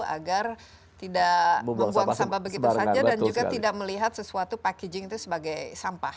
agar tidak membuang sampah begitu saja dan juga tidak melihat sesuatu packaging itu sebagai sampah